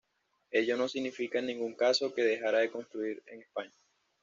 Ello no significa, en ningún caso, que dejara de construir en España.